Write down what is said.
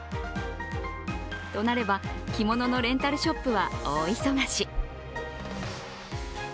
となれば、着物のレンタルショップは大忙し。